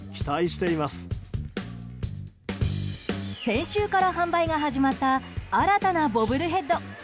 先週から販売が始まった新たなボブルヘッド。